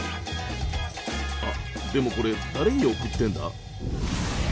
あでもこれ誰に送ってんだ？